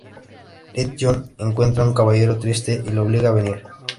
Little John encuentra un caballero triste y lo obliga a venir.